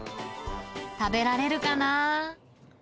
食べられるかな？